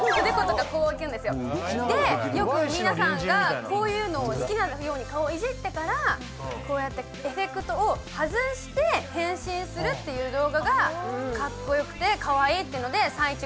よく皆さんがこういうのを好きなように顔をいじってからこうやってエフェクトを外して変身するっていう動画がカッコ良くてカワイイっていうので。